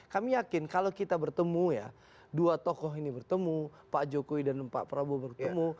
kami yakin kalau kita bertemu ya dua tokoh ini bertemu pak jokowi dan pak prabowo bertemu